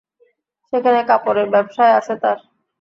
সেখানে কাপড়ের ব্যবসায় আছে তাঁর।